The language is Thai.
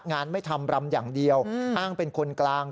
ไม่ทำรำอย่างเดียวอ้างเป็นคนกลาง